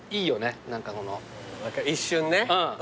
一瞬ね。